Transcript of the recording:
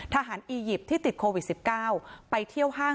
ทหารอียิปต์ที่ติดโควิดสิบเก้าไปเที่ยวห้าง